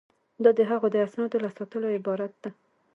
دا د هغوی د اسنادو له ساتلو عبارت ده.